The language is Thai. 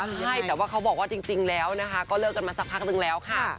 ใช่แต่ว่าเขาบอกว่าจริงแล้วนะคะก็เลิกกันมาสักพักนึงแล้วค่ะ